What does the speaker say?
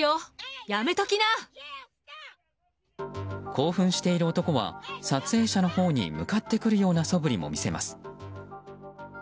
興奮している男は撮影者のほうに向かってくるようなそぶりも見せます。